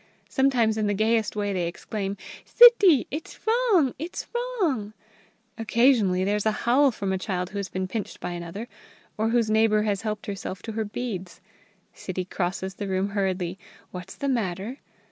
Sometimes in the gayest way they exclaim: "Sittie! It's wrong! it's wrong!" Occasionally there is a howl from a child who has been pinched by another, or whose neighbour has helped herself to her beads. Sittie crosses the room hurriedly. "What's the matter?"